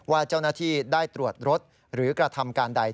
ว่าเจ้าหน้าที่ได้ตรวจรถหรือกระทำการใด